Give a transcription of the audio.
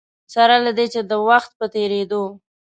سره له دې چې د وخت په تېرېدو.